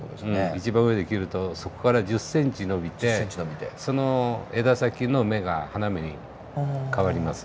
一番上で切るとそこから１０ｃｍ伸びてその枝先の芽が花芽に変わります。